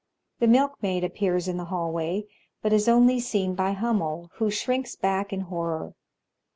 The Milkmaid appears in the haUtoay, but is only seen by Hummel, who shrinks back in horror.